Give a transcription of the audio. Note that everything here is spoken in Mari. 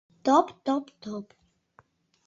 топ-топ-топ